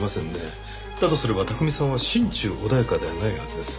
だとすれば巧さんは心中穏やかではないはずです。